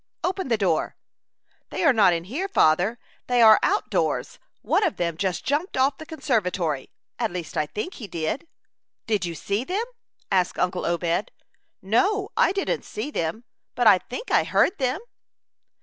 "Open the door." "They are not in here, father; they are out doors. One of them just jumped off the conservatory, at least, I think he did." "Did you see them?" asked uncle Obed. "No, I didn't see them, but I think I heard them."